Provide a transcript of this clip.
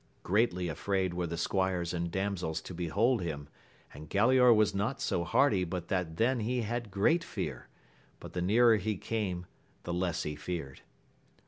Greatly afraid were . the squires and damsels to behold him, and Galaor was not so hardy but that then he had great fear, but the nearer he came the less he feared.